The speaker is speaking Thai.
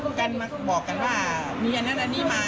สามารถในสนุนเนี่ย